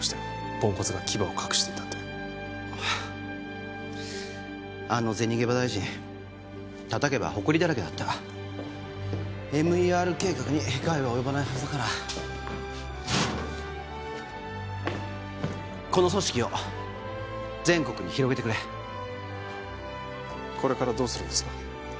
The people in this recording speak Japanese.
ポンコツが牙を隠していたってあの銭ゲバ大臣叩けばホコリだらけだったＭＥＲ計画に害は及ばないはずだからこの組織を全国に広げてくれこれからどうするんですか？